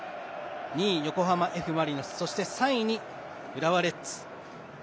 ２位、横浜Ｆ・マリノスそして、３位に浦和レッズ。